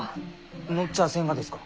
載っちゃあせんがですか？